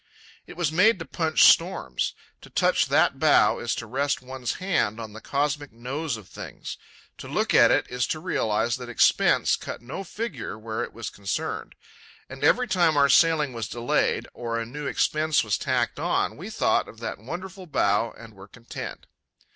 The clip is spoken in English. It was made to punch storms. To touch that bow is to rest one's hand on the cosmic nose of things. To look at it is to realize that expense cut no figure where it was concerned. And every time our sailing was delayed, or a new expense was tacked on, we thought of that wonderful bow and were content.